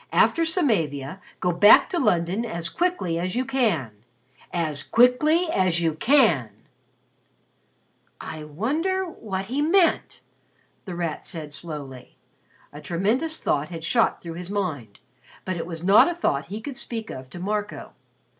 After Samavia, go back to London as quickly as you can as quickly as you can!'" "I wonder what he meant?" The Rat said, slowly. A tremendous thought had shot through his mind. But it was not a thought he could speak of to Marco.